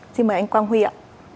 xin mời anh quang huy ạ